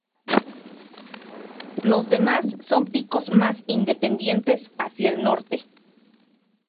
Los demás son picos más independientes hacia al norte.